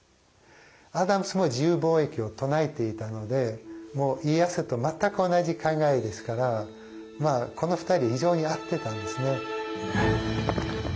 アダムスも自由貿易を唱えていたのでもう家康と全く同じ考えですからこの２人非常に合ってたんですね。